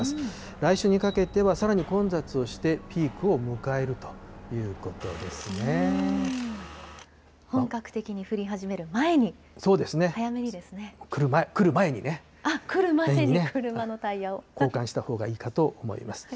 来週にかけてはさらに混雑をして、本格的に降り始める前に、早来る前にね。交換したほうがいいかと思います。